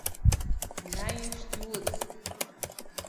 Nije stjoerder.